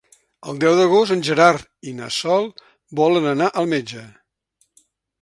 El deu d'agost en Gerard i na Sol volen anar al metge.